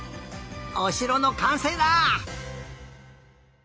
おしろのかんせいだ！